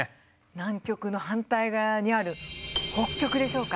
南極の反対側にある北極でしょうか。